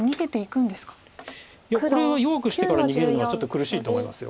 これは弱くしてから逃げるのはちょっと苦しいと思います。